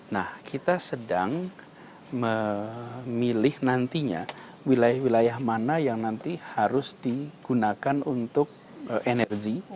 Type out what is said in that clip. nah kita sedang memilih nantinya wilayah wilayah mana yang nanti harus digunakan untuk energi